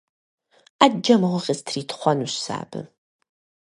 Ӏэджэ мыгъуи къыстритхъуэнущ сэ абы.